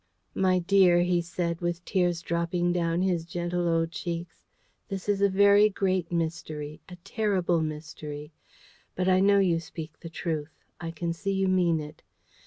"My dear," he said, with tears dropping down his gentle old cheeks, "this is a very great mystery a terrible mystery. But I know you speak the truth. I can see you mean it.